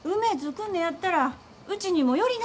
来んねやったらうちにも寄りなさい。